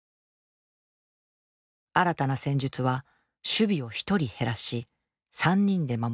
新たな戦術は守備を１人減らし３人で守る３バック。